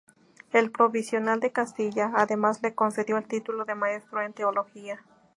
El provincial de Castilla, además, le concedió el título de maestro en Teología.